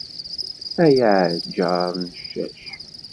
Ay aɛǧar n ccac.